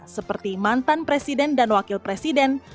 seperti mantan presiden dan wakil presiden